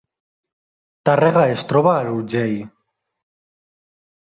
Tàrrega es troba a l’Urgell